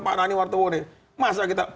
pak rani wartewon masa kita